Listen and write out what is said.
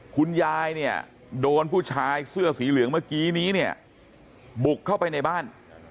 คุณยายเนี่ยโดนผู้ชายเสื้อสีเหลืองเมื่อกี้นี้เนี่ยบุกเข้าไปในบ้าน